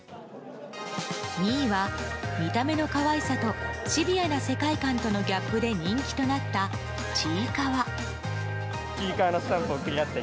２位は、見た目の可愛さとシビアな世界観とのギャップで人気となった「ちいかわ」。